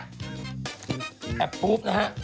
แอปพรูฟนะฮะ